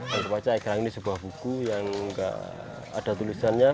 yang terpacah egrang ini sebuah buku yang gak ada tulisannya